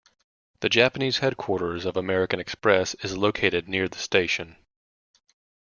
The Japanese headquarters of American Express is located near the station.